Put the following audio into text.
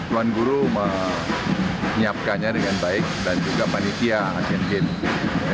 tuan guru menyiapkannya dengan baik dan juga panitia asean games